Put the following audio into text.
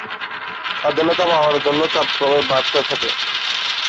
স্বাধীনতা পাওয়ার জন্য চাপ ক্রমে বাড়তে থাকে।